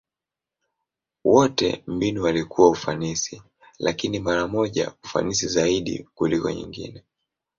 Wote mbinu walikuwa ufanisi, lakini mara moja ufanisi zaidi kuliko nyingine.